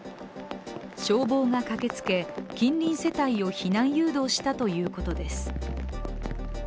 消防が駆けつけ、近隣世帯を避難誘導したということです。